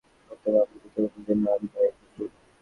নতুবা, আমার কৃতকর্মের জন্য আমি দায়ী থাকব না।